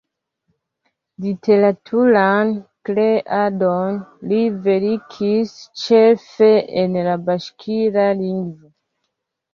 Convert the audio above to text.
Literaturan kreadon li verkis ĉefe en la baŝkira lingvo.